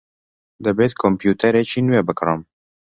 دەبێت کۆمپیوتەرێکی نوێ بکڕم.